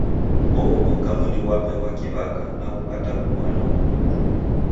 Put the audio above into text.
Oghudaka mwindi ghwape ghwa ki'waka na kughutakua noko.